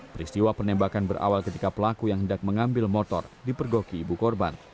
peristiwa penembakan berawal ketika pelaku yang hendak mengambil motor dipergoki ibu korban